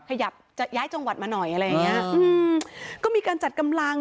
ขยับจะย้ายจังหวัดมาหน่อยอะไรอย่างเงี้ยอืมก็มีการจัดกำลัง